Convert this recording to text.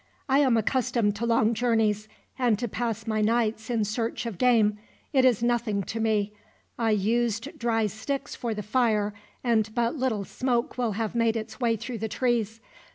I am accustomed to long journeys, and to pass my nights in search of game. It is nothing to me. I used dry sticks for the fire, and but little smoke will have made its way through the trees.